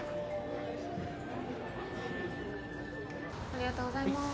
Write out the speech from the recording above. ありがとうございます。